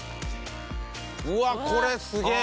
うわっこれすげえ！